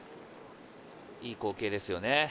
いい光景ですよね。